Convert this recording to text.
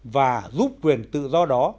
và giúp quyền tự do đó